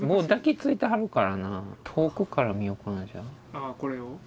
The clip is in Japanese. ああこれを？